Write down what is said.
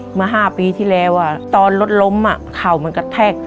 เมื่อ๕ปีที่แล้วตอนรถล้มเข่ามันกระแทก